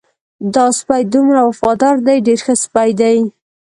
دا سپی دومره وفادار دی ډېر ښه سپی دی.